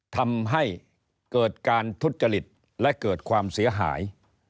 ทำให้เกิดการทุจจริตและเกิดความเสียหาย